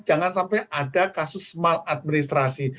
jangan sampai ada kasus mal administrasi